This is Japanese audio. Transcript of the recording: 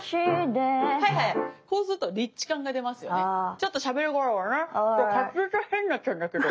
ちょっとしゃべり声がね滑舌が変になっちゃうんだけど。